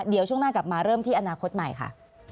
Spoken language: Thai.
เดี๋ยวช่วงหน้ากลับมาเริ่มที่อนาคตใหม่ค่ะ